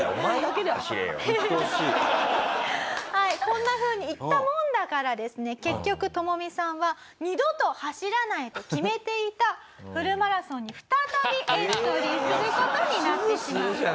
こんなふうに言ったもんだからですね結局トモミさんは二度と走らないと決めていたフルマラソンに再びエントリーする事になってしまう。